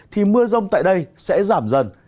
thì mưa rông tại đây sẽ giảm dần